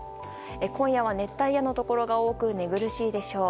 今夜は熱帯夜のところが多く寝苦しいでしょう。